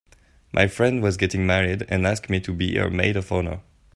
My friend was getting married and asked me to be her maid of honor.